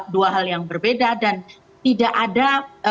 dua hal yang berbeda dan tidak ada